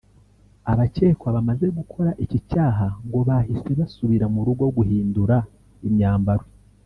Abakekwa bamaze gukora iki cyaha ngo bahise basubira mu rugo guhindura imyambaro